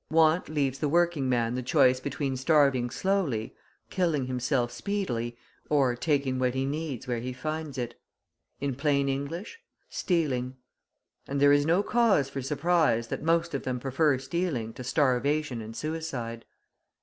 {115b} Want leaves the working man the choice between starving slowly, killing himself speedily, or taking what he needs where he finds it in plain English, stealing. And there is no cause for surprise that most of them prefer stealing to starvation and suicide.